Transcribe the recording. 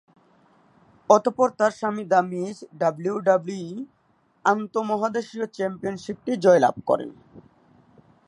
অতঃপর তার স্বামী দ্য মিজ ডাব্লিউডাব্লিউই আন্তঃমহাদেশীয় চ্যাম্পিয়নশিপটি জয়লাভ করেন।